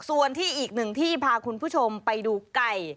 ส่วนที่อีกหนึ่งที่พาคุณผู้ชมไปดูไก่